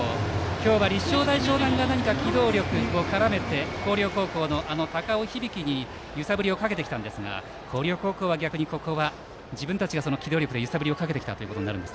今日は立正大淞南が機動力を絡め高尾響に揺さぶりをかけてきたんですが広陵高校は逆にここは機動力で揺さぶりをかけてきたと。